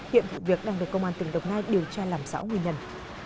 hiện vụ việc đang được công an tỉnh đồng nai điều tra làm rõ nguyên nhân